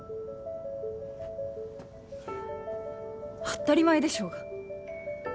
当たり前でしょうが。